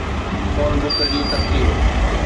phone book جي ترتيب